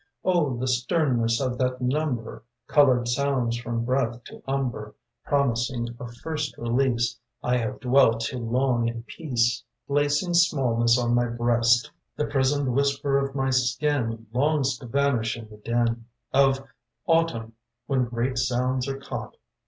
the sternness of that number! Colored sounds from breath to umber Promising a first release. 1 have dwelt too long in peace [IS] Placing stnallness on my breast. The prisoned whisper of my skin Longs to vanish in the din Of Autumn when great sounds are caught.